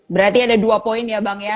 berarti ada dua poin ya bang ya